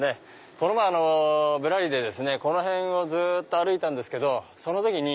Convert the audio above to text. この前『ぶらり』でこの辺を歩いたけどその時に。